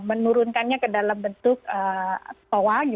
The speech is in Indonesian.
menurunkannya ke dalam bentuk toa